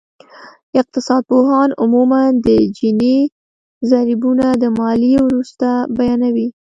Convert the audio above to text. اقتصادپوهان عموماً د جیني ضریبونه د ماليې وروسته بیانوي